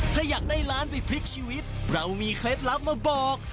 ถ้าอยากได้ล้านไปพลิกชีวิตเรามีเคล็ดลับมาบอก